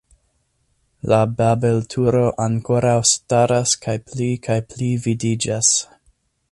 La babelturo ankoraŭ staras kaj pli kaj pli vidiĝas.